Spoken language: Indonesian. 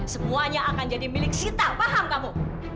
semuanya akan jadi milik sita paham kamu